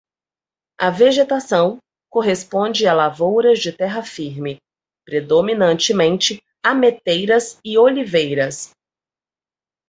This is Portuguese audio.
A vegetação corresponde a lavouras de terra firme, predominantemente ameteiras e oliveiras.